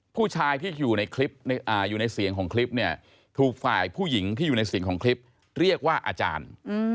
ผู้ชายที่อยู่ในคลิปอยู่ในเสียงของคลิปเนี่ยถูกฝ่ายผู้หญิงที่อยู่ในเสียงของคลิปเรียกว่าอาจารย์